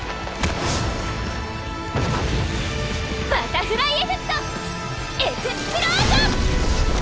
バタフライエフェクトエクスプロージョン！